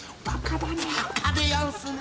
バカでやんすね。